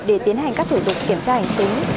để tiến hành các thủ tục kiểm tra hành chính